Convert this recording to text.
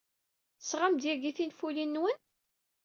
Tesɣam-d yagi tinfulin-nwen?